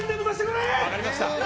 分かりました。